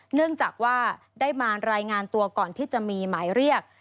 เนื่องจากว่าได้มารายงานตัวก่อนที่จะมีหมายเรียก